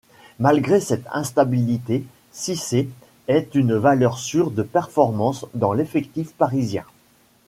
Malgré cette instabilité, Cissé est une valeur sure de performance dans l'effectif parisien.